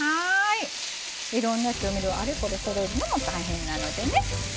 いろんな調味料をあれこれそろえるのも大変なのでね。